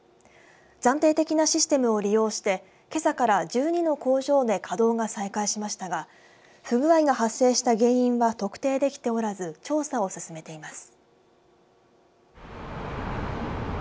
暫定的なシステムを利用してけさから１２の工場で稼働が再開しましたが不具合が発生した原因は特定できておらず調査を進めています。